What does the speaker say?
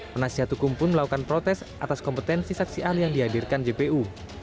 penasihat hukum pun melakukan protes atas kompetensi saksi ahli yang dihadirkan jpu